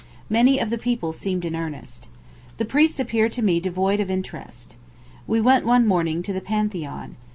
Many of the people seemed in earnest. The priests appeared to me devoid of interest. We went one morning to the Pantheon.